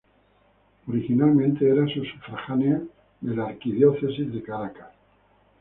Originalmente era sufragánea de la Arquidiócesis de Caracas.